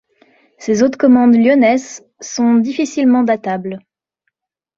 Ses autres commandes lyonnaises sont difficilement datables.